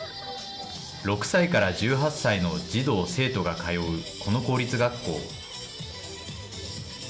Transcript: ６歳から１８歳の児童・生徒が通うこの公立学校。